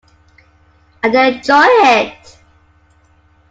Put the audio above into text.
And they enjoy it.